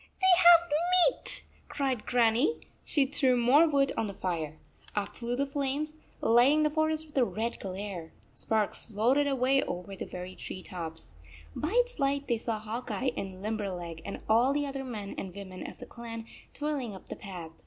They have meat," cried Grannie. She threw more wood on the fire. Up flew the flames, lighting the forest with a red glare. Sparks floated away over the very tree tops. By its light they saw Hawk Eye and Limberleg and all the other men and women of the clan toiling up the path.